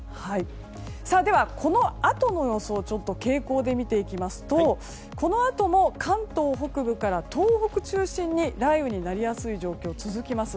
では、このあとの予想を傾向で見ていきますとこのあとも関東北部から東北中心に雷雨になりやすい状況続きます。